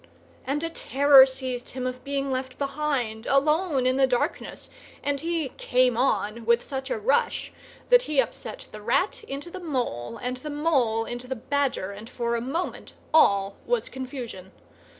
and a terror seized him of being left behind, alone in the darkness, and he "came on" with such a rush that he upset the Rat into the Mole and the Mole into the Badger, and for a moment all was confusion.